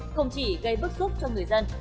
không chỉ gây bức xúc cho người dân